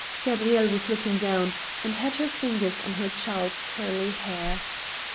Gabridle was looking down, and had her fingers on her child's curiy hair.